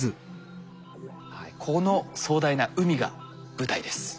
はいこの壮大な海が舞台です。